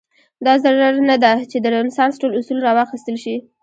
دا ضرور نه ده چې د رنسانس ټول اصول راواخیستل شي.